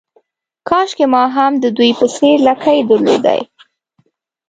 کاشکې ما هم د دوی په څېر لکۍ درلودای.